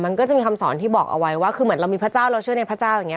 มันก็จะมีคำสอนที่บอกเอาไว้ว่าคือเหมือนเรามีพระเจ้าเราเชื่อในพระเจ้าอย่างนี้